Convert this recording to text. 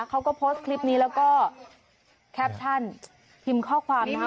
เขาก็โพสต์คลิปนี้แล้วก็แคปชั่นพิมพ์ข้อความนะคะ